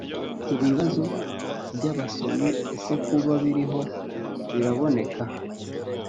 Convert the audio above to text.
Ibibazo by abasomyi ese kuba biriho biraboneka?